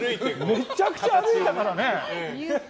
めちゃくちゃ歩いたからね。